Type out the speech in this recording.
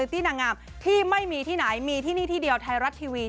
ตี้นางงามที่ไม่มีที่ไหนมีที่นี่ที่เดียวไทยรัฐทีวี